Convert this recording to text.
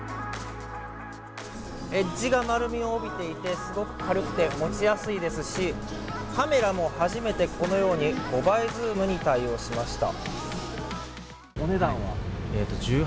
エッジが丸みを帯びていてすごく軽くて持ちやすいですしカメラも初めてこのように５倍ズームに対応しました。